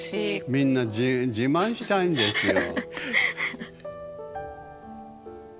みんな自慢したいんですよ。